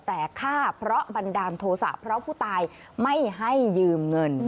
แต่ฆ่าเพราะบันดาลโทษะเพราะผู้ตายไม่ให้ยืมเงิน